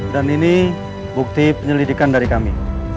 dan ini bukti penyelidikan dari kami